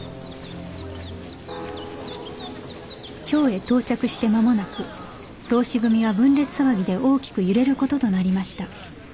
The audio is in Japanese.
京へ到着して間もなく浪士組は分裂騒ぎで大きく揺れる事となりました。